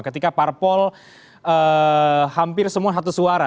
ketika parpol hampir semua satu suara